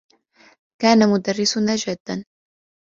كان مدرّسنا جادّا.